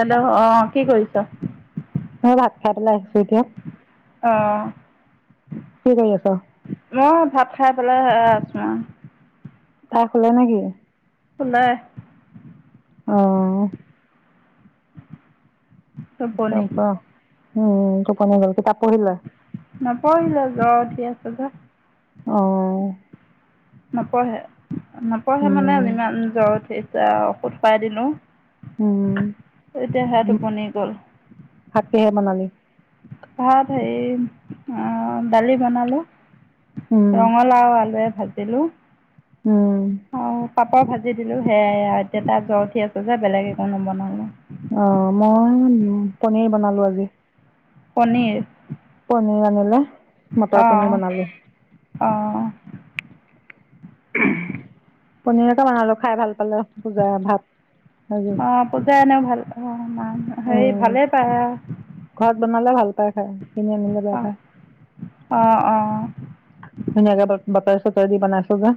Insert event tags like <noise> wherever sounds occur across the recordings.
Hello অ কি কৰিছ মই ভাত খাই পেলাই আহিছো এতিয়া। অ কি কৰি আছ। মই ভাত খাই পেলাই আছোঁ আৰু ভাতহলে নেকি? নাই অঁ টোপনি আৰু ক উম টোপনি লাগিছে নপঢ়িলে যত এতিয়া সাবা আহ নপঢ়ে নপঢ়ে মানে উম ইমান জ্বৰ উঠেই ঔষুধ খাৱাই দিলো উম এতিয়া হে টোপনি গ'ল থাকেহে মনালি ভাত হে দালি বনালোঁ। উম ৰঙলাও আলুয়ে। ভাজিলো। উম আৰু পাপৰ ভাজি দিলো । সেয়া আৰু এতিয়া তাত জ্বৰ উঠি আছোঁ যে বেলেগে একো নবনালো। অ মই পনীৰ বনালো আজি। পনীৰ পনীৰ আনিলে। মটৰ অ পনীৰ বনালো। অ পনীৰ একে বনালো খাই ভাল পালোঁ। অ পূজা এনেও ভাল অ হে উম ভালে পায়। ঘৰত বনালে ভাল পায় খায়। কোনে কোনে বেয়া পায় অঁ অঁ ধুনীয়াকে। তেল দি বনাইছো যে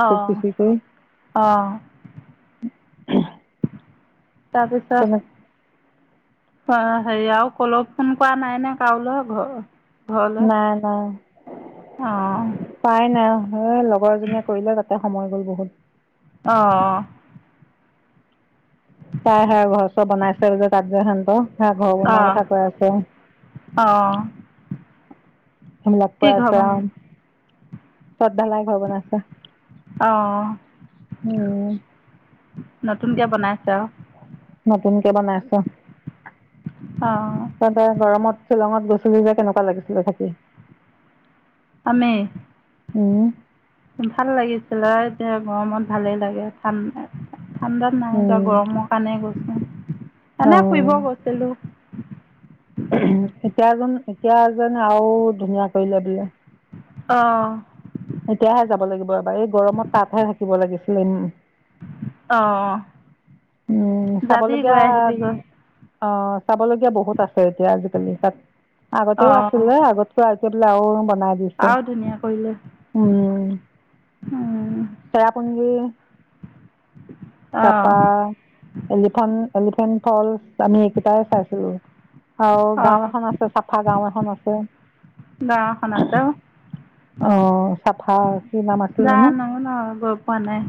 আহ পিচি কৰি অ তেনে তাৰপিছত অ সেৰি আৰু কল ফোন কৰা নাই নে কাৱলৈ ঘৰ নাই নাই অহ এ লগৰ এজনীয়ে কৰিলে তাতে। সময় গ'ল বহুত। অ তাই হয় ঘৰ চৰ বনাইছে যে তাত যে হেনতে। তাই ঘৰ বনোৱা অঁ কথা কৈ আছে। অঁ কি সোমলাতপুৰ ঘৰ বন আছাম। চৰ্তধালাই ঘৰ বনাইছে অঁ উম। নতুনকে বনাইছে অ নতুনকে বনাইছে অঁ তাত গৰমত শ্বিলঙত গৈছ শ্বিলংত কেনেকুৱা লাগিছিলে থাকি। আমি উ ভাল লাগিছিলে এতিয়া গৰমত ভালেই লাগে ঠাণ্ডা। ঠাণ্ডাত নাই যোৱা উম গৰমৰ কাৰণে গৈছ‌। অ এনে ফুৰিব গৈছিলোঁ এতিয়া যেন এতিয়া যেন আৰু ধুনীয়া কৰিলে বোলে। অহ এতিয়াহে যাব লাগিব এবাৰ এই গৰমত তাতহে থাকিব লাগিছিলে উম। অ উম যাবি চাবলগীয়া গৈ আহিবি গৈ। অ চাব লগগীয়া বহুত আছে এতিয়া আজিকালি তাত আগতেও অঁ আছিল আগতকৈ তেতিয়া হ'লে আৰু বনাই দিছে আৰু ধুনীয়া কৰিলে উম অঁ চেৰাপুঞ্জ উম তাৰপা অঁ এলিফণ্ এলিফেণ্ট ফলৰ্চ আমি এইকেইটাই চাইছিলোঁ। আৰু গাওঁ এখন আছে চাফা গাওঁ এখন আছে। গাঁও এখন আছে আৰু অ চাফা কি নাম আছিল জানো যানো ন গৈ পোৱা নাই।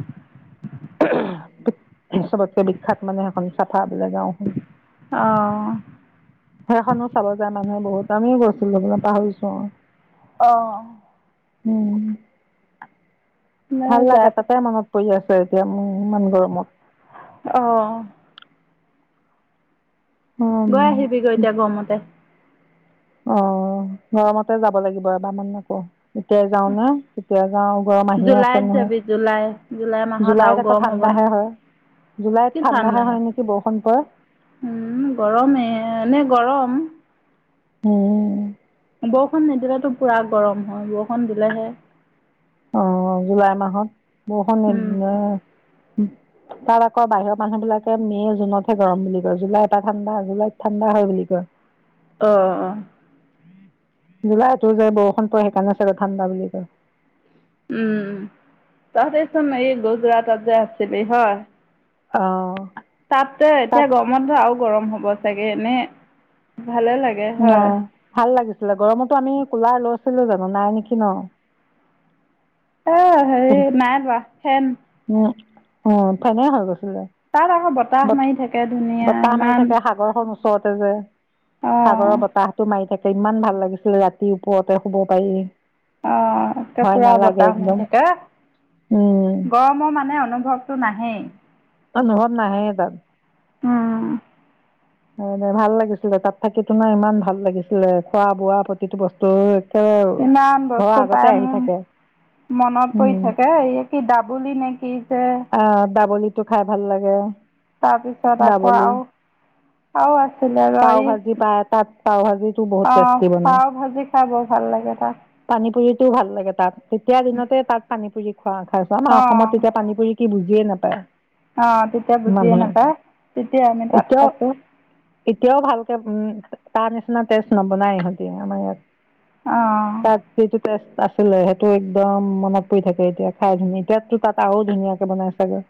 চবতকে বিখ্যাত মানে সেইখন চাফা বোলে গাঁও। অঁ সেইখনো চাব যায় মানুহে বহুত। আামিও গৈছিলোঁ পাহৰিছোঁ অ অহ উম মই ভাল যাই লগা তাতে মনত পৰি আছ। এতিয়া মোৰ ইমান গৰমত। আহ উম। গৈ আহিবি গৈ এতিয়া গৰমতে। অ গৰমতে যাব লাগিব এবাৰন আকৌ এতিয়াই যাওঁ নে তেতিয়া যাওঁ গৰম আহিও আছে জুলাইত নহয়। যাবি জুলাই জুলাই মাহত জুলাইত আৰু আকৌ গৰম হ'ব নহ ঠাণ্ডাহে হয় জুলাইত কি ঠাণ্ডাহে ঠাণ্ডা হে হয় নেকি বৰষুণ পৰে। উম গৰমে এনেই গৰম। উম বৰষুণ নিদিলেতো পোৰা গৰম হয় বৰষুণ দিলেহে। অ জুলাই মাহত বৰষুণ নিদিয়ে হয়। তাত আকৌ বাহিৰৰ মানুহ বিলাকে মে' জুনতহে গৰম বুলি কয় জুলাই এটা ঠাণ্ডা জুলাইত ঠাণ্ডা হয় বুলি কয়। আহ আহ জুলাইটো যে বৰষুণটো পৰে সেইকাৰণে ঠাণ্ডা বুলি কয়। উম তহতে চোন এই গুজৰাটত যে আছিলি হয়। আহ তাত তো এতিয়া গৰম গৰম হ'ব চাগে এনে ভালে লাগে হয়। নাই ভাল লাগিছিলে গৰমতো আমি কুলাৰ লৈ আজিলে জানো নাই নেকি ন আহ হে নাই লোৱা ফেন উ অ ফাইনেই হৈ গৈছে তাত আকৌ বৰ্ত বতাহ মাৰি থাকে ধুনীয়া ইমান এক দম ওচৰতে যে সাগৰৰ অ'। বতাহতো মাৰি থাকে ইমান ভাল লাগিছিলে ৰাতি ওপৰতে শুব পাৰি অ ৰাতি ভয় পুৰা নালাগে বতাহ হৈ একদম থাকে উম গৰমৰ মানে অনুভৱটো নাহেই অনুভৱ নাহে তাত উম ভাল লাগিছিলে তাত থাকি নাই ইমান ভাল লাগিছিলে খোৱা বোৱা প্ৰতিটো বস্তু একে ইমান ঘৰৰ বস্তু আগতে পাই আহি মোৰ থাকে মনত পৰি উম থাকে এই কি দাবলি নেকি ই অ দাবলি তো খাই ভাল লাগে তাৰপিছত আকৌ দাবলি আৰু অ পাও ভাজি <unintelligible> পায় তাত পাও ভাজিটো বহুত পাও টেষ্টি বনায় পাও ভাজি খাই বৰ ভাল লাগে তাক কি ভাল লাগে তাত তেতিয়া দিনতে তাত পানী পুৰি খোৱা খাইছোৱা ন অসমত অ', তেতিয়া পানী পুৰি কি বুজি বুজি নাপায় অ তেতিয়া বুজিয়ে মানুহে নাপায়, তেতিয়াই আমি তাক এতিয়াও কৈছোঁ এতিয়াও ভালকে উম তাৰ নিচিনা টেষ্ট নবনাই ইহঁতি আমাৰ অ', ইয়াত। <unintelligible> আছিলে সেইটো একদম মনত পৰি থাকে এতিয়া খাই <unintelligible> ধুনীয়াকে বনাই চাগে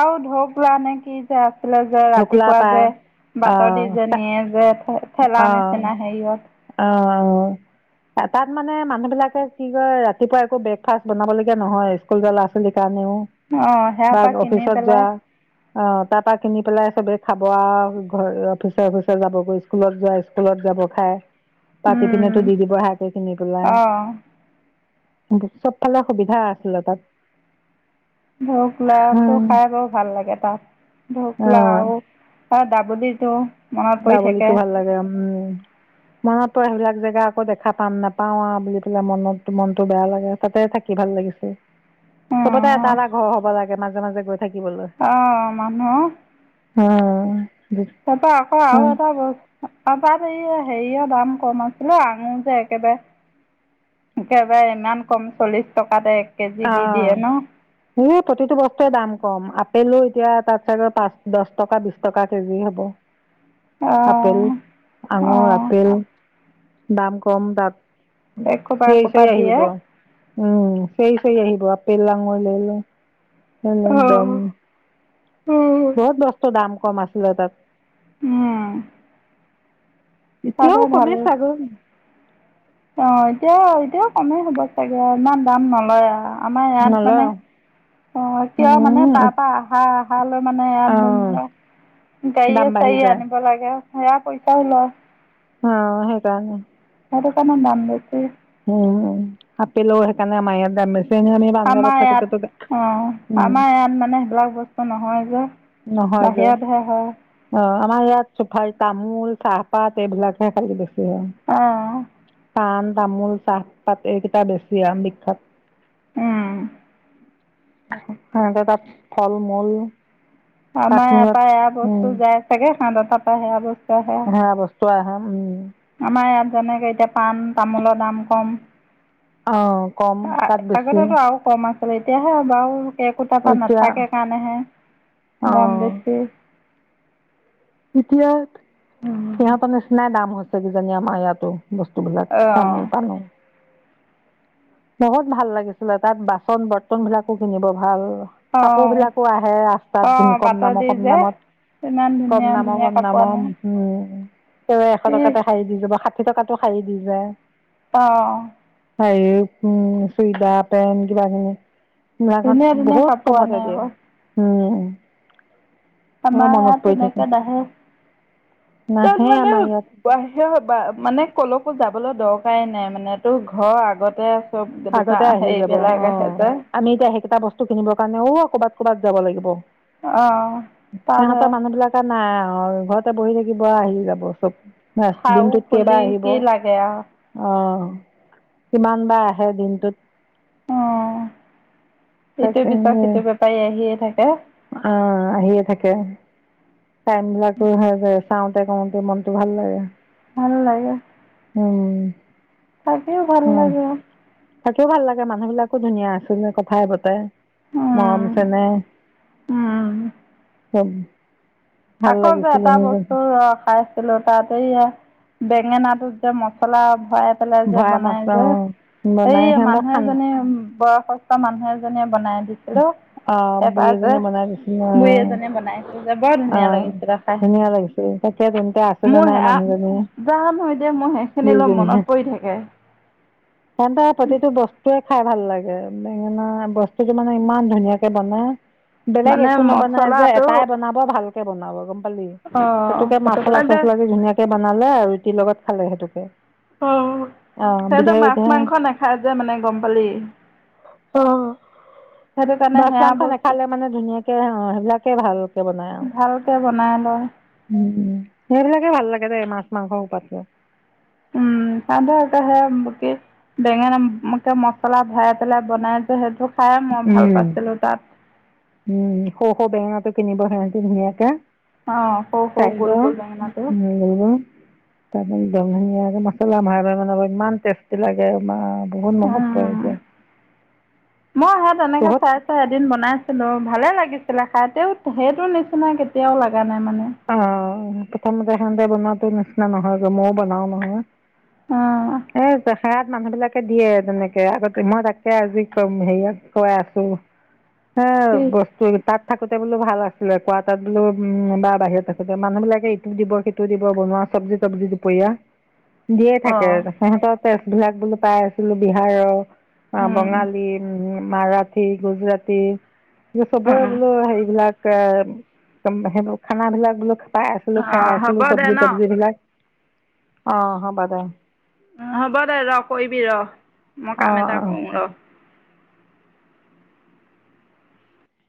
আৰু ঢৌ ফুৰা নে কি যে হো হো যে ঢকোলা ৰাতিপুৱা পায় যে বাটৰ দি যে নিয়ে যে অৱ ঠেলা নিচিনা হেৰিয়ত অৱ অৱ তাত মানে মানুহ বিলাকে কি কয় ৰাতিপুৱা একো ব্ৰেকফাষ্ট বনাব লগীয়া নহয়, স্কুল ল'ৰা ছোৱালী কাৰ অৱ সেয়াৰ পৰা কিনি পেলাই অৱ তাৰ পৰা কিনি পেলাই চবে খাব আও ঘৰ অফিচ অফিচ যাব গৈ। স্কুলত যোৱা স্কুলত যাব খাই পাতি পিনতো উম, দি দিব হাকে কিনি অ', পেলাই চবফালে সুবিধা আছিলে তাত ৰসগোল্লাটো খাই বৰ ভাল লাগে তাত ঢৰকোলা অ' আও অ দাব দিটো দাবলিতো ভাল লাগে উম ম তই সেইবিলাক জেগা আকৌ দেখা পাম নাপাওঁ আও বুলি পেলাই মনত মনতটো বেয়া লাগে, তাতে থাকি ভাল লাগিছে। চবতে এটা এটা ঘৰ হ'ব লাগে। মাজে মাজে গৈ থাকিবলৈ। অৱ মানুহ। অ তাপা অ আৰু এটা বস্ত তাত হেৰিও দাম কম আও, আঙুৰ যে একেবাৰে একেবাৰে ইমান কম চল্লিশ টকাতে কেজি অ দি দিয়ে ন মোৰ প্ৰতিটো বস্তুৱে দাম কম আ কিলো এতিয়া তাত চাগৈ পাঁচ দহ টকা, বিশ টকা কেজি হ'ব। আপেল, অ'। আঙুৰ, অ', আপেল দাম কম তাত। একোপা চিঞই একোপা চিঞই দিয়ে আহিব। উম। চেই চেই আহিব, আপেল আঙুৰ লৈ লৈ। <unintelligible> একদম উম বহুত বস্তু দাম কম আছিলে তাত। উম তাতে এতিয়াও ভাল কমে চাগৈ! অ এতিয়া এতিয়াও কমেই হ'ব চাগে ইমান দাম নলয় আও আমাৰ ইয়াত মানে নলয় অ কিয় মানে উম, তাৰ পা আহা অহালৈ মানে অ', ইয়াত দাম গাড়ীয়ে বাঢ়ি চাড়িয়ে যায় আনিব লাগে আও সেয়া পইচাও ল‌ও হ সেইকাৰনেই সেইটো কানে দাম বেছি। উম, আপেলেৰ সেইকাৰণে আমা ইয়াত দাম বেছি। এনে আমি পাঞ্জাৱত আমাৰ ইয়াত, থাকোতেতো অ উম, আমাৰ ইয়াত মানে সেইবিলাক বস্তু নহয় যে। নহয় যে বাহিয়তে হয় । অ আমাৰ ইয়াত ছুপাৰী, তামোল, চাহপাত এইবিলাকহে খালি বেছি। অ' পান। তামোল, চাহপাত এইকেইটা বেছি আও বিখ্যাত। উম হ তাহত তাত ফল মূল আমাৰ ইয়াৰ কাশ্মীৰত পা এয়া বস্তু যায় চাগে হাত তাপা সেয়াবোৰ হ বস <unintelligible> চহ উম <unintelligible> আমাৰ ইয়াত যেনেকে এতিয়া পাণ, তামোলৰ দাম কম। অ কম তাত বেছি। আগতেতো আৰু কম এতিয়াহে বাৰু একোটা পা এতিয়া নাথাকে কাৰণেহে দাম অ', বেছি। এতিয়াত সিহঁতৰ নিচিনাই দাম হৈছে। চাগে কিজানি আমাৰ ইয়াতো। বস্তুবিলাক, তামোল অ' পাণো। বহুত ভাল লাগিছিলে, তাত বাচন বৰ্তন বিলাকো কিনিব ভাল। কাপোৰ অ' বিলাকো আহে ৰাস্তাত যুন অ' কম দাম বাটদি কম যে। দামত ইমান ধুনীয়া কম দামৰ ধুনীয়া কম কাপোৰ দামৰ আনে। উম। তেওঁ এশ ই টকাতে শাৰী দি যাব। এশ টকাতে ও শাৰী দি যায়? অ। হয়। উম সুইধা পেনট কিবা কেনে? মঘ ধুনীয়া ধুনীয়া বহুত কাপোৰ কমতে আনে দিয়া আকৌ উম। অ। আমাৰ ইয়াত এনেক নাহে তাত নাহে মানে? আমাৰ ইয়াত সেই মানে ক'লকো যাবলৈ দৰকাৰেই নাই মানে তোৰ ঘৰ আগতে? চব আগতে দোকান আহি যাব হেৰিবিলাক অ আহে যে আমি এতিয়া সেইকেইটা বস্তু কিনিবৰ কাৰণে ও কবাত। ক'ৰবাত যাব লাগিব? অ তাৰ। অ ঘৰতে বহি থাকিব আহি যাব চব। ন খাৰু দিনটোত কেইবা খুলি আহিব? কি লাগে আৰু অ কিমান বাৰ? সেই দিনটোত? অ। ইটো পিছত সিটো বেপাৰী আহিয়ে থাকে। হে। আহ আহিয়ে থাকে। চাইম বিলাককো হৈ যায়। চাওঁতে কওঁতে মনতটো ভাল লাগে। ভাল লাগে। অ। থাকিও ভাল লাগে। তাকিও ভাল লাগে, মানুহ বিিলাকো ধুনীয়া আছিলে কথাই বতৰাই? মাম উম চনে। উম আকৌ যে এটা বস্তু ৰ খাইছিলো তাত এয়া। বেঙেনাটো যে মছলা। খোৱাই পেলাই যে ভৰাই মাছ বনাই যে? অঁ এই বনাই সিহঁতক খান মানুহেজনী বস। সষ্ট মানুহে যেনে। বনাই দিছিলেঃ, অঁ বুঢ়ী এবাৰ যে এজনীয়ে বনাই দিছিলে বু়ী অঁ এজনে বনাইছো যে বৰ ধুনীয়া? ধুন অ', লাগিছিল খাই, ধুনীয়া লাগিছে তাকে তেন্তে আছে নে নাই মোৰে মানুহজনীয়ে জানহ দিয়া মোৰ সেইখিনি লগপ মনত পৰি থাকে। ক তা পতিটো বস্তু এক। খাই ভাল লাগে, বেঙেনা বস্তু। টো মানে ইমান ধুনীয়াকে বনাই বেলেগ মানে একো নবনাই যে, মচলাটো এটাই বনাব ভাল ভালকে বনাব সেইটোকে অ দে মছলা-ছছলা দি ধুনীয়াকে বনালে ৰুটিৰ লগত খালো সেইটোকে। অ অ', সিহঁতে বিধে মাছ বিধে মাংস নাখায় যে মানে গম পালি? অ', সেইটো কাৰণে মাছ সেয়া মাংস বস্তু নাখালে মানে ধুনীয়াকে অ সেইবিলাকে ভালকে বনাই ভালকে বনাই লয় ।উম উম সেইবিলাকে ভাল লাগে দে মাছ মাংস কিটাত কৈ উম খাব আক সেয়া লোকে বেঙেনাত মছলা ভৰাই পেলাই বনাই যে সেইটো খাইে মই ভাল উম। পাইছিলো তাত। উম সৰু-সৰু বেঙেনা টো কিনিব হেহতি ধুনীয়াকে অ সৰু সৰু পাই ত গোল গোল বেঙেনাটো <unintelligible> <unintelligible> একদম ধুনীয়াকে মছলা ভৰাই ভাৰাই বনাব মানে ইমান টেষ্টি লাগে নহয় উম মই হে তেনেকে বহুত চাই চাই এদিন বনাইছিলো ভালে লাগিছিলে খাই তেও সেইটো নিচিনা কেতিয়াও লগা নাই মানে আহ তাহাঁতে বনোৱাতো নিচিনা নহয় যে মই বনাওটো নহয় আহ সেইয়াত মানুহ বিলাকে দিয়ে তেনেকে আগতে মই তাকে আজি কম হেৰিয়াক কৈ আছো হে কি বস্তু তাত থাকোতে বোলো ভাল আছিলে কোৱা তাত বোলো উম বা বাহিৰত থাকো যে মানুহ বিলাকে এইটো দিব সেইটো দিব বনোৱা চবজি তবজি দুপৰীয়া দিয়ে অ থাকে সিহঁত তেচবিলাক বোলো পাই আছিলো বিহাৰৰ অ উম বঙালী উ মাৰাঠী গুজৰাতি অ চবৰে অ বোলো হেৰিবিলাক দম মেম <unintelligible> খানাবিলাক বোলো পাই আছিলো অ খাই হ'ব আছিলো দে চবজি ন তবজি বিলাক আহ হব দে হ'ব দে ৰ কৰিবি ৰ মই কাম অঁ এটা অঁ কৰোঁ ৰ